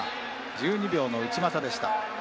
１２秒の内股でした。